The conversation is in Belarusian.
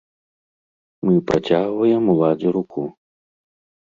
Мы працягваем уладзе руку.